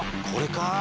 これか！